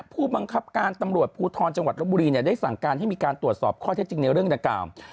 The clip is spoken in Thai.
ผู้บังคับการตำรวจภูทรจังหวัดลบบุรีได้สั่งการให้มีการตรวจสอบข้อเท็จจริงในเรื่องดังกล่าว